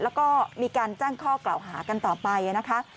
แล้วก็มีการแจ้งข้อกล่าวหากันต่อไปนะคะ